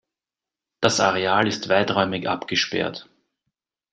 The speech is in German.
Das Areal ist weiträumig abgesperrt.